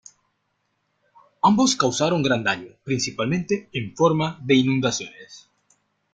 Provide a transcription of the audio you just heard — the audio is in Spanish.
Ambos causaron gran daño, principalmente en forma de inundaciones.